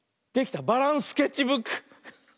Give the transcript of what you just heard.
「バランスケッチブック」！